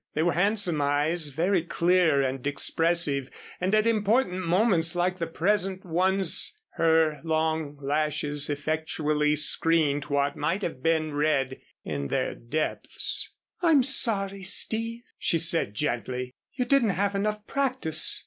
They were handsome eyes, very clear and expressive, and at important moments like the present ones her long lashes effectually screened what might have been read in their depths. "I'm sorry, Steve," she said gently. "You didn't have enough practice."